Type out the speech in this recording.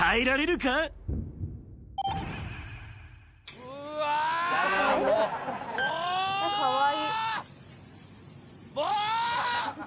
かわいい。